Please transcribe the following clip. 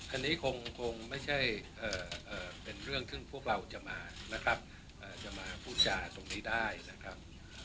อันนี้คงไม่ใช่เป็นเรื่องซึ่งพวกเราจะมานะครับจะมาพูดจาตรงนี้ได้นะครับ